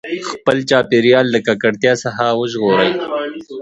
خپل چاپېریال د ککړتیا څخه وژغورئ.